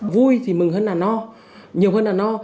vui thì mừng hơn là no nhiều hơn là no